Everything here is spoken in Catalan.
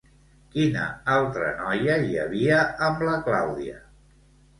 Quina altra noia hi havia amb la Clàudia?